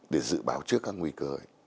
để dự báo trước các nguy cơ